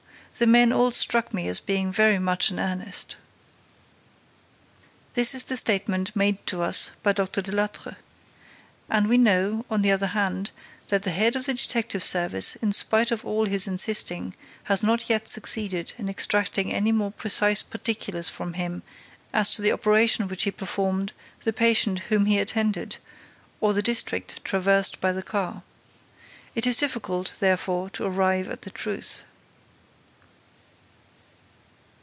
The men all struck me as being very much in earnest." This is the statement made to us by Dr. Delattre. And we know, on the other hand, that the head of the detective service, in spite of all his insisting, has not yet succeeded in extracting any more precise particulars from him as to the operation which he performed, the patient whom he attended or the district traversed by the car. It is difficult, therefore, to arrive at the truth.